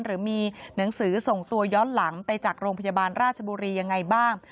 หรือมีหนังสือส่งตัวย้อนหลังไปจากโรงพยาบาลราชบุรียังไงบ้าง